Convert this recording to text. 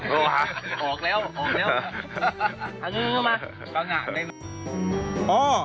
โอ้วออกแล้วออกแล้ว